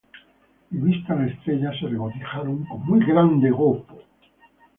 Y vista la estrella, se regocijaron con muy grande gozo.